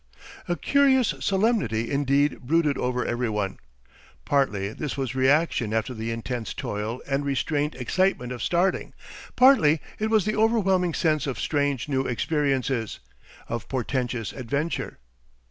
A curious solemnity indeed brooded over every one. Partly this was reaction after the intense toil and restrained excitement of starting; partly it was the overwhelming sense of strange new experiences, of portentous adventure.